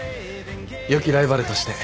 よきライバルとして。